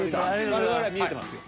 我々は見えてますよ。